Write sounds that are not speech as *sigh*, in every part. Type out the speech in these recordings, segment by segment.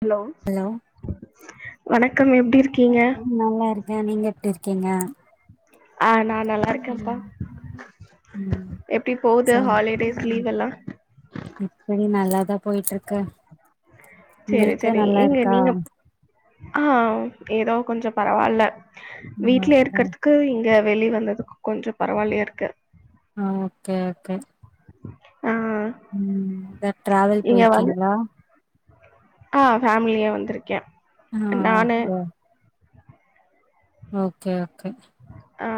Hello வணக்கம் எப்டி இருக்கீங்க. கே நீங்க எப்படி இருக்கீங்க ஆ நா நல்லா இருக்கே பா ம் எப்டி போது சோ ஹாலிடேஸ் லீவ் எல்லா ன் நல்லதாப் போயிட்டு இருக்கு சேரி உங்களுக்கு சேரி நல்லா எங்க இருக்கா? நீங்க ஆ ஏதோ கொஞ்ச பரவால்ல. வீட்ல ஓகே இருக்கிறதுக்கு யே வெளி வந்ததுக் கொஞ்ச பரவால்லயா இருக்கு. அ ஓகே ஓகே ஆ ம் ஏதா ட்ராவல் இங்க வந்து போயிருக்கீங்களா? ஆ ஃபேமிலியா வந்திருக்கே. ஆ நானு அப்போ ஓகே ஓகே ஆ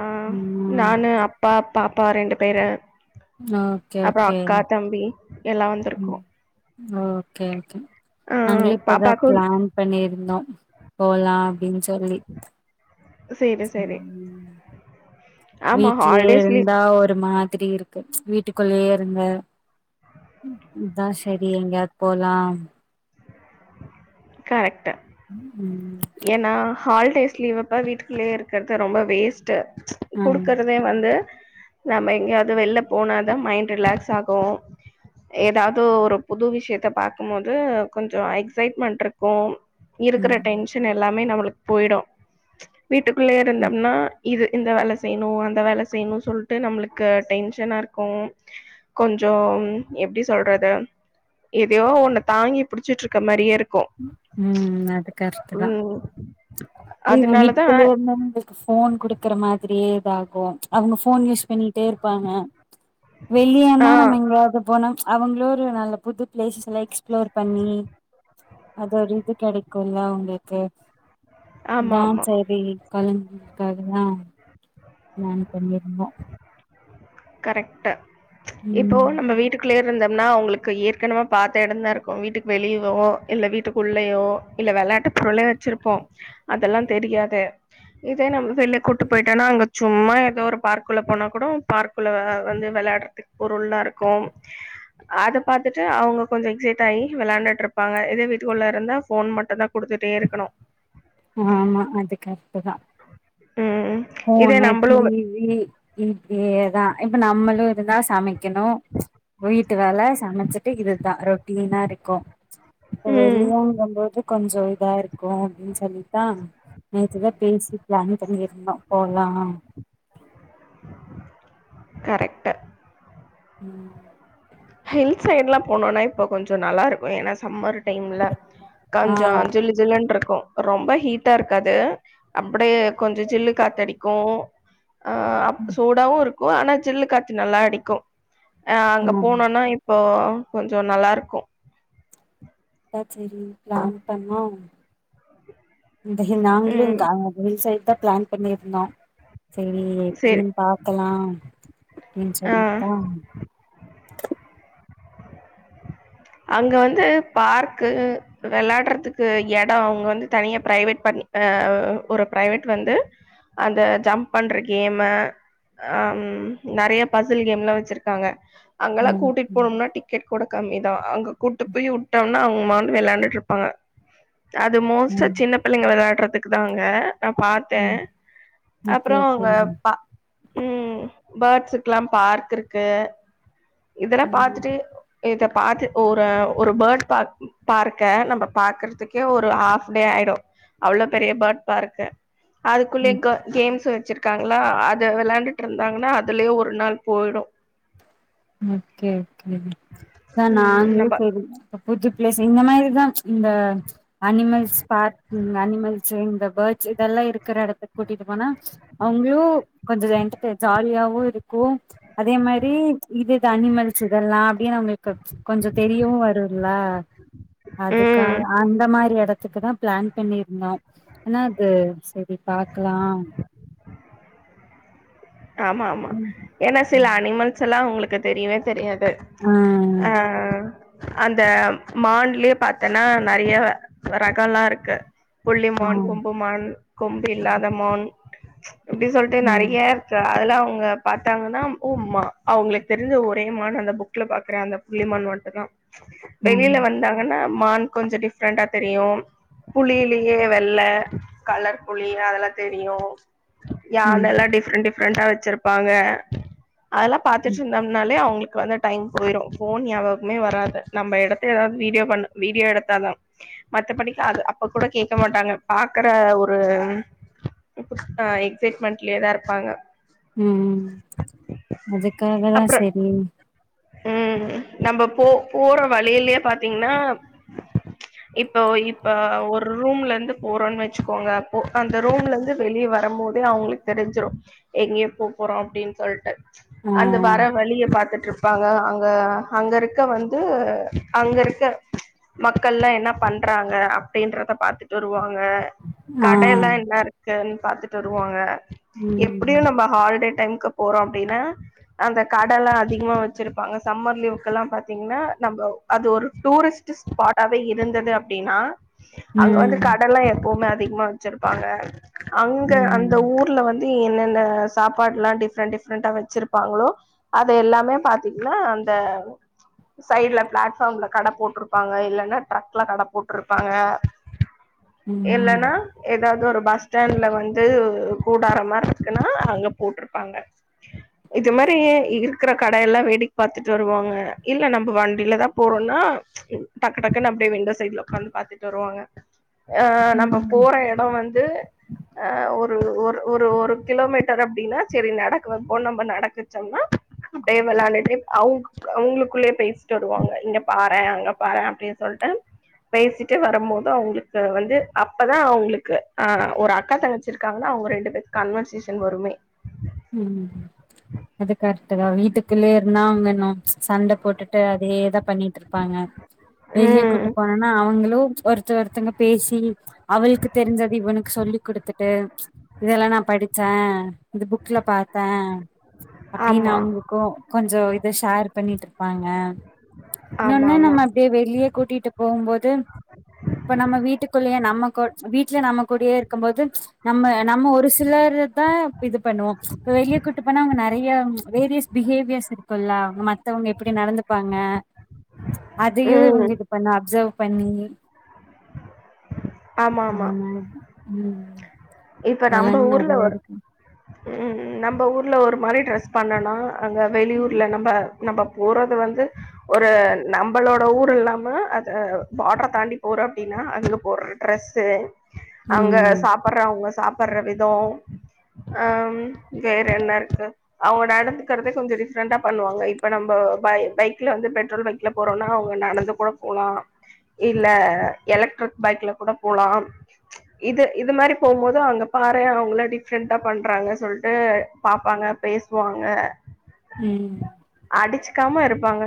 ம் நானு அப்பா பாப்பா ரெண்டு பேரு ஓகே அப்புற ஓகே அக்கா தம்பி எல்லா வந்திருக்கு ம் ஓகே ஒகே நாங்களு இப்பதா பாப்பாக்கு பிளான் பண்ணிருந்தோ போலா அப்படின்னு சொல்லி சேரி சேரி ஆமா வீட்லேயே ஹாலிடேஸ் லீவ் இருந்தா ஒரு மார் திரி இருக்கு வீட்டுக்குள்ளேயே இருந்து அதா சரி எங்காயது போலா கரெட் ம் ம் ஏனா ஹாலிடேஸ் லீவப்ப வீட்டுக்குள்ளயே இருக்கறது ரொம்ப வேஸ்ட்டு ஆ குடுக்கறதே வந்து நம்ம எங்கேயாவது வெளில போனாதான் மைண்ட் ரிலாக்ஸ் ஆகும் ஏதாவது ஒரு புது விஷயத்த பாக்க போது கொஞ்சம் எக்ஸைட்மெண்ட்டா இருக்கு இருக்கற ம் டைன்ஷ் எல்லாமே நம்புளுக்கு போயிடு வீட்டுக்குள்ளேயே இருந்தோம்னா இது இந்த வேலை செய்யணும் அந்த வேலை செய்யணும் சொல்ட்டு நம்புளுக்கு டென்ஷனா இருக்கும் கொஞ்சம் எப்பிடி சொல்றது எதையோ ஒன்ன தாங்கி புடிச்சிட்டு இருக்க மாரியே இருக்கு ம் அதுக்காஸ் ம் அதனாலதா வீட்க்குள்ளே இருந்த எங்களுக்கு போன் குடுக்குற மாரி லேட்டாகும் அவுங்க போன் யூஸ் பண்ணிட்டே இருப்பாங்க ஆ வெளியனா நம்ம எங்கயாவது போனா அவுங்களோ ஒரு நல்ல புது பிளேஸ் எல்லாம் எக்ஸ்ப்ளோர் பண்ணி அது ஒரு இது கிடைக்கும்ல்ல அவுங்களுக்கு ஆமா இதான் ஆமா செரி கலம்க்கதலா நானும் பண்ணிருந்தோ கரெக்ட் இப்போ ம் நம்ம வீட்டுக்குள்ளே இருந்தோம்னா அவங்களுக்கு ஏற்கனவே பார்த்த இடம்தா இருக்கும் வீட்டுக்கு வெளியவோ இல்ல வீட்டுக்கு உள்ளேயோ இல்ல விளையாட்டு பொருளே வச்சிருப்போம் அதெல்லாம் தெரியாது இதே நம்ம வெளில கூட்டு போயிட்டனா சும்மா ஏதோ ஒரு பார்க்குள்ளே போனா கூட பார்க் கூள்ள வந்து விளையாடுறதுக்கு பொருளா இருக்கும் அத பார்த்துட்டு அவங்க கொஞ்ச எக்ஸைட் ஆகி விளையாண்டுட்டு இருப்பாங்க இதே வீட்டுக்குள்ளே இருந்தா போன் மட்டும் தா ஆமா அது கரெக்ட் தா ம் இதே போனு டி நம்பளு வி இப்படியேதா இப்ப நம்மளும் இருந்தா சமைக்கணும் வீட்டு வேல சமைச்சிட்டு இதுதா ரொட்டீனா இருக்கும் ம். வெளியங்க போது கொஞ்சம் இதா இருக்கும் அப்படின்னு சொல்லித்தா நேற்றுதா பேசி பிளான் பண்ணியிருந்தோம் போலா கரெக்ட் உம் ஹில் சைடு் எல்லாம் போனோனா இப்ப கொஞ்சம் நல்லா இருக்கும் ஏன்னா சம்மர் டைம்ல ஆ கொஞ்சம் ஜில்ஜில்லுன்னு இருக்கும் ரொம்ப ஹீட்டா இருக்காது அப்படியே கொஞ்சம் ஜில்லு காத்தடிக்கு ஆ சூடாவும் இருக்கு ஆனா சில்லு காத்து நல்லா அடிக்கும் ஆ அங்க ம் போனோனா இப்போ கொஞ்சு நல்லா இருக்கு அதா செரி பிளான் பண்ணோம் இந்த இ நாங்களு ம். இந்த இல் சைடு தா பிளான் பண்ணியிருந்தோ சரி சரி. எப்படின்னு பாக்கலா அப்டின் ஆ. சொல்லிட்தா அங்க வந்து பார்க்கு வெளையாடுறதுக்கு எடோ அவங்க வந்து தனியா பிரைவேட் பண்ணி ஆ ஒரு பிரைவேட் வந்து அந்த ஜம்ப் பண்ற கேமு ஆ நறைய பசில் கேம்ல்லா வச்சிருக்காங்க அங்கல்லா ம் கூட்டிட்டு ம் போனும்னா டிக்கெட் கூட கம்மி தா அங்க கூட்டு போய் விட்டம்னா அவங்க *unintelligible* விளையாண்டுட்டு இருப்பாங்க அது மோஸ்டா ம் சின்ன பிள்ளைங்க விளையாடுறது அதுக்குதாங்க நா பாத்தே ம் ஓகே அப்புறோ ஓகே அவங்க ம் பா உம் பேர்ட்ஸுக்கு எல்லா பார்க் இருக்கு இதெல்லா ம் பாத்துட்டு இத பாத்து ஒரு ஒரு பேர்ட் பார் பார்க்க நம்ம பாக்கறதுக்கே ஒரு ஹாஃப் டே ஆயிடு அவ்வளோ பெரிய பேர்ட் பார்க்கு அதுக்குள்ளயே ம் க கேம்ஸ் வச்சிருக்காங்களா அத விளையாண்டுட்டு இருந்தாங்கன்னா அதுலயே ஒரு நாள் போயிடு ஓக்கே ஓக்கே த ம் நாங்களு நம்ப செரி புதுபிளேஸ் இந்த மாரிதா இந்த அனிமல்ஸ் பார்க் அனிமல்ஸ் இந்த பேர்ட்ஸ் இதெல்லா இருக் இருக்கிற எடத்த கூட்டிட்டு போனா அவங்களு கொஞ்சு எண்டர்டெயின் ஜாலியாவு இருக்கு ம்ச் அதே மாரி இது த அனிமல்ஸ் இதல்லா அப்படின்னு நம்மளுக்கு கொஞ்சு தெரியவு வருல ம் அதுக்காக அந்த மாரி இடத்துக்கு தா பிளான் பண்ணிருந்தோஆனா அது செரி பாக்கலா ஆமா ஆமா ம் ஏன்னா சில அனிமல்ஸ் எல்லா உங்களுக்கு எனக் தெரியவே தெரியாது ஆ து ஆ அந்த மான்லயே பாத்தேன்னா நறைய ரகோ எல்லா இருக்கு புள்ளி ஆ மான் கொம்பு மான் கொம்பு இல்லாத மான் இப்டி சொல்டு ம் நிறைய அதெல அவங்க பார்த்தாங்கன்னா உமா அவங்களுக்கு தெரிஞ்ச ஒரே மான் அந்த புக்ல பாக்குறேன் அந்த புள்ளி மான் மட்டு தான் ஆ வெளியில ம் வந்தாங்கன்னா மான் கொஞ்சம் டிஃப்ரெண்டா தெரியும் புலிலயே வெள்ள கலர் புலி அதெல்லாம் தெரியும் யானல்ல டிஃப்ரெண்ட் டிஃப் ரெண்டா வச்சிருப்பாங்க அதெல்ல ம் பாத்துட்டு இருந்தோம்னாலே அவங்களுக்கு வந்து டைம் போயிரும் போன் நியாபகமே வராது நம்ம எடத்து ஏதாவது வீடியோ பண்ண வீடியோ எடுத்தாதான் மத்தபடிக்க அது அப்ப கூட கேட்க மாட்டாங்க பாக்குற ஒரு் எக்ஸைட்மெண்ட்லயதான் இருப்பாங்க உம் அதுக்காக தான் சரி உம் நம்ம போ போற வழியிலயே பாத்தீங்கன்னா இப்ப இப்ப ஒரு ரூம்ல இருந்து போறோம்ன்னு வச்சுக்கோங்க அப்போ அந்த ரூம்ல இருந்து வெளியே வரும் போதே அவங்களுக்கு தெரிஞ்சிடும் எங்கேயே போ போறோம் அப்படின்னு சொல்லிட்டு ஆ அந்த வர வழிய பாத்துட்டு இருப் பங்க அங்க அங்க இருக்க வந்து அங்க இருக்க மக்கள்லாம் என்ன பண்றாங்க அப்டின்றத பாத்துட்டு வருவா ங்க ஆ கடையெல்லாம் என்ன இருக்கு பாத்துட்டு வருவாங்க ம் எப்படியும் ம் நம்ம ஹாலிடே டைமுக்கு போறோம் அப்டின்னா அந்த கடைலாம் அதிகமா வ ச்சிருப்பாங்க சம்மர் லீவு எல்லாம் பாத்தீங்கன்னா நம்ம அது ஒரு டூரிஸ்ட் ஸ்பாடாவே இருந்தது அப்படின்னா அங்க வந்து ம் கடைலாம் எப்பவுமே அ திகமா வச்சிருப்பாங்க அங்க அந்த ம் ஊர்ல வந் து என்னென்ன சாப்பாடுலாம் டிஃப்ரெண்ட் டிஃப்ரெண்டா வச்சிருப்பாங்களோ அத எல்லாமே பாத் தீங்கன்னா அந்த சைட்ல பிளாட்பார்ம்ல கடை போட்டிருப்பாங்க இல்லன்னா ட்ரக்ல கடை போட்டிருப்பாங்க இல்லன்னா ம் எ தாது ஒரு பஸ்டாண்ட்ல வந்து கூடார மாதிரி இருக்குன்னா அங்க போட்டிருப்பாங்க இது மாதிரி இருக்கிற கடையெல்லாம் வேடிக் பாத்துட்டு வருவாங்க இல்ல நம்ம வண்டியிலதான் போறோம்ன்னா டக்கு டக்குன்னு அப்படியே விண்டோ சைட்ல உக்காந்து பாத்துட்டு வருவாங்க அஹ் நம்ம போற இடம் வந்து அஹ் ஒரு ஒரு ஒரு ஒரு கிலோமீட்டர் அப்படின்னா சரி நடக்கு போ நம்ம நடக்குச்சோம்னா அப்படியே விளையாண்டு டே அவங்க அவங்களுக்குள்ளயே பேசிட்டு வருவாங்க இங்க பாறேன் அங்க பாறேன் அப்படின்னு சொல்லிட்டு பேசிட்டு வரும்போது அவங்களுக்கு வந்து அப்பதான் அவங்களுக்கு ஆஹ் ஒரு அக்கா தங்கச்சிருக்காங்கன்னா அவங்க ரெண்டு பேருக்கு கன்வர்சேஷன் வருமே உஹம் அது கரெக்ட் தான் வீட்டுக்குள்ளயே இருந்தாங்கனும் சண்ட போட்டுட்டு அதே தான் பண்ணிட்டு இருப்பாங்க வெளியே ம் கூட்டு போனோனா அவங்களும் ஒருத்தர் ஒருத்தங்க பேசி அவளுக்கு தெரிஞ்சது இவனுக்கு சொல்லிக் கொடுத்துட்டு இதெல்லாம் நான் படிச்சேன் புக்ல பார்த்தேன் அப்படின்னு ஆமா அவங்களுக்கும் கொஞ்சம் இதை ஷேர் பண்ணிட்டு இருப்பாங்க ஆமா இன்னொன்னு ஆமா நம்ம அப்படியே வெளியே கூட்டிட்டு போம்போது இப்ப நம்ம வீட்டுக்குள்ளேயே நம்ம வீட்டுல நம்ம கூடயே இருக்கும் போது நம்ம நம்ம ஒரு சிலர் *unintelligible* தா இது பண்ணு இப்ப வெளிய கூட்டு போனா அவுங்க நெறைய வேரியஸ் பிஹேவியர்ஸ் இருக்குல்ல அங்க மத்தவங்க எப்டி நடந்துப்பாங்க அதையும் ம் இவங்களுக்கு பண்ண அப்சர்வ் பண்ணி ஆமா ஆமா அந்தமாரி உம் *inaudible* இப்ப நம்ம ஊர்ல ஒரு ஹ்ம்ம் நம்ம ஊருல ஒரு மாரி ட்ரெஸ் பண்ணனும் அங்க வெளியூர்ல நம்ம நம்ம போறது வந்து ஒரு நம்மளோட ஊர் இல்லாம அது பார்டர தாண்டி போறோம் அப்டின்னா அதுக போட்ற ட்ரெஸ்ஷூ அங்க ம் சாப்பட்றவங்க சாப்பட்ற விதம் ஆஹ் ம் வேற என்ன இருக்கு அவுங்க நடந்துகிறது கொஞ்சம் டிஃப்ரெண்டா பண்ணுவாங்க இப்ப நம்ம பை பைக்ல வந்து பெட்ரோல் பைக்ல போறோம்னா அவுங்க நடந்து கூட போலாம் இல்ல எலக்ட்ரிக் பைக்ல கூட போலாம் இது இது மாரி போம்போது து அங்க பாரு அவுங்கள டிஃப்ரெண்டா பண்றாங்கன்னு சொல்ட்டு பாப்பாங்க பேசுவாங்க உம் க்காம இருப்பாங்க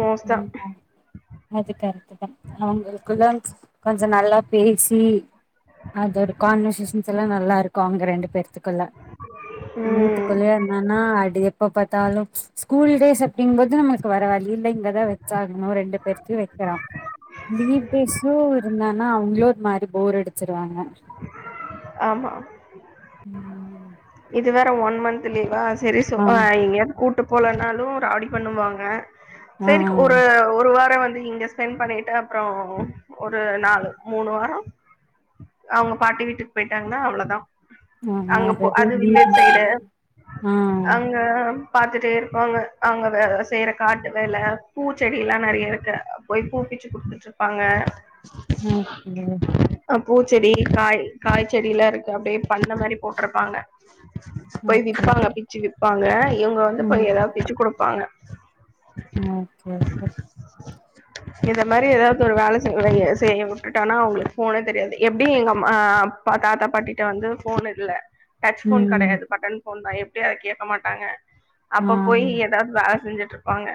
மோஸ்ட்டா உம் ஆம் அது கரக்டுதான் அவுங்களுக்குள்ள கொஞ்சம் நல்லா பேசி அது ஒரு கான்வசேஷன் ஷன்லா நல்லாருக்கும் அங்க ரெண்டு பேத்துக்குள்ள ம் வீட்டுக்குள்ளேயே இருந்தானா அது எப்ப பாத் டாலும், ஸ்கூல் டேஸ் அப்டிங்போது நமக்கு வேர வழி இல்ல இங்க தா வச்சு ஆகனும் ரெண்டு பேத் து வைக்கிறோம் லீவ் டேஸு இருந்தானா அவுங்களு ஒரு மாரி போர் அடிச்சுருவாங்க. ஆமா ம் ம் இது வேற ஒன் மந்த் லீவா ஆ *unintelligible* எங்யாலது கூட் டு போலனாலும் ராடி பண்ணுவாங்க. ஆ சரி ஒரு ஒரு வாரம் வ பிள்ளைங்க இங்க ஸ்பெண்ட் பண்ணிட்டு அப்புறம் ஒரு நாலு மூணு வாரம் அவுங்க பாட்டி வீட்டுக்கு போயிட்டாங்கன்னா அவ்ளோதான். ஆமா அத அது வில்லேஜ் சைடு. அங்க பாத்துட்டே இருப்பாங்க அங்க வேல செய்ற காட்டு வேல பூச்செடில்லாம் நெறைய இருக்கு போய் பூ பிச்சு குடுத்துட்டு இருப்பாங்க. உம் உம் அ பூச்செடி காய் காய் செடியிலாம் இருக்கு அப்படியே பண்ண மாரி போட்ருப் பாங்க போய் ஓகே விற்பாங்க பிச்சு விற்பாங்க. இவங்க வந்து ம் போய் ஏதாவது பிச்சு கொடுப்பாங்க. ஓகே ஓகே இத மாதிரி ஏதாவது ஒரு வேலை செய் செய்ய விட்டுட்டோனா அவங்களுக்கு ஃபோனே தெரியாது. எப்படி எங்க அம் அப்பா தாத்தா பாட்டிட்ட வந்து ஃபோன் இல்ல. டச் ஃபோன் ம் கிடையாது. பட்டன் ஃபோன் தா எப்படியும் அத கேக மாட்டாங்க. ஆ அப்ப போய் ஏதாவது வேலை செஞ்சு ட்ருப்பாங்க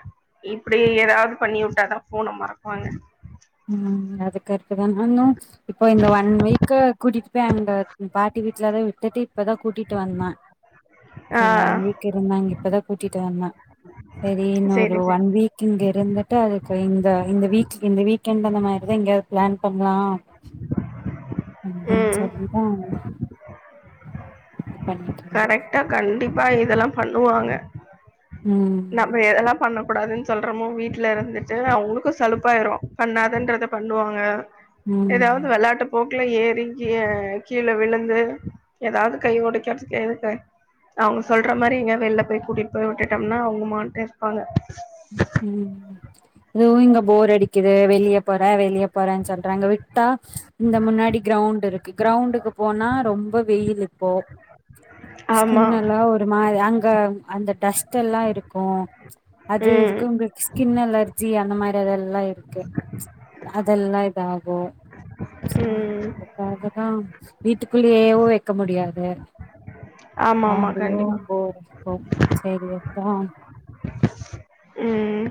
இப்படி ஏதாவது பண்ணி விட்டாதான் போனை மறப்பாங்க. உம் அதுக்கர ட் தா நானும் இப்ப இந்த ஒன் வீக் கூட்டிட்டு போய் அங்க பாட்டி வீட்டுலதா விட்டுட்டு இப்பதான் கூட்டிட்டு வந்தேன். ஆ செரி ஒன் வீக் இருந்தங்க இப்பதான் கூட்டிட்டு வந்தன். சரி இன்னொ ஒரு சேரி சேரி ஒன் வீக் இங்க இருந்துட்டு அதுக்கு இந்த இந்த வீக் இந்த வீக் கென்ட் தான மாருது இங்க பிளான் பண்ணலாம். அப்டின்னு ம் சொல்லிதான் இது பண்ணிட்டு இருந்த. தெல்லாம் பண்ணுவாங்க. ம் நம்ம எதெல்லாம் பண்ண கூடாதுன்னு சொல்றோமோ வீட்டுல இருந்துட்டு அவங்களுக்கும் சலுப்பாயிரும். பண்ணாதன்கிறத பண்ணுவாங்க. ம் ஏதாவது விளையாட்டு போக் ல ஏறி கீகீழ விழுந்து ஏதாவது கை உடைக்கதுக்கு எதுக்கு அவங்க சொல்ற மாதிரி எங்க வெளில போய் கூட்டிட்டு போய் விட்டுட்டோம்னா அவங்க மாட்கு இருப்பாங்க. ஃபோர் அடிக்குது வெளியே போறே வெளிய போற சொல்றங்க விட்டா இந்த முன்னாடி கிரவுண்ட் இருக்கு கிரவுண்ட்க்கு போனா ரொம்ப வெயில் இப்போ ஆமா ஸ்கின் எல்லாம் ஒரு மாதிரி அங் க அந்த டஸ்ட்டெல்லா இருக்கு அது ம் இதுக்குங்குப்ஸ் கின் அலர்ஜி அந்த மாரிதெல்லா இருக்கு அதெல்லா இதாகு சேர் ம் அதுக்காக ஆம் வீட்டுக்குள்ளே ஏவோ வெக்க முடியாது ஆமா ஆமா அவுங்களுக்கு கண்டிப்பா ஃபோர் அடிக்கும் செரி அத்தான் உம்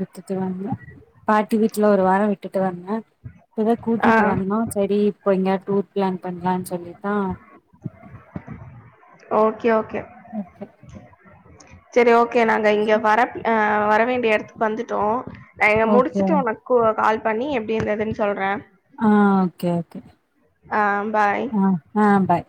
விட்டுட்டு வந்தோ பாட்டி வீட்டுல ஒரு வாரோ விட்டுட்டு வந்தே இப்பதா ஆ கூட்டிட்டு வண்ணோ சேரி இப்ப எங்கிய டூர் பிளான் பண்ணலான்னு சொல்லித்தா ஓகே ஓகே ஓகே சேர் ஓ கே நாங்க இங்க வரப் அஹ் வரவேண்டிய எடத்துக்கு வந்துட்டோ நா இங்க ஓகே முடுச்சுட்டு உனக் கூ கால் பண்ணி எப்டி இருந்ததுன் சொல்றே ஆஹா ஓக்கே ஓகே ஆம் அ ஆ பாய்